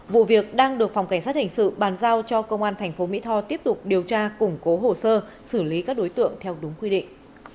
vụ việc đang được phòng cảnh sát hình sự bàn giao cho công an thành phố mỹ tho tiếp tục điều tra củng cố hồ sơ xử lý các đối tượng theo đúng quy định